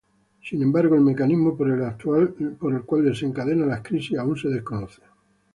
Sin embargo el mecanismo por el cual desencadena las crisis aún se desconoce.